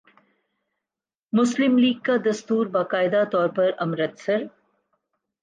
مسلم لیگ کا دستور باقاعدہ طور پر امرتسر